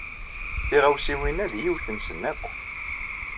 Tiɣawsiwin-a d yiwet-nsen akk.